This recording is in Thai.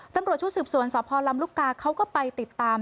ตำรวจชุดสืบสวนสพลำลูกกาเขาก็ไปติดตาม